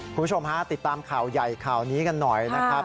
คุณผู้ชมฮะติดตามข่าวใหญ่ข่าวนี้กันหน่อยนะครับ